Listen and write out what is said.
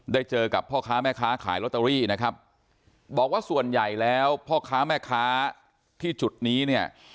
เจอกับพ่อค้าแม่ค้าขายลอตเตอรี่นะครับบอกว่าส่วนใหญ่แล้วพ่อค้าแม่ค้าที่จุดนี้เนี่ย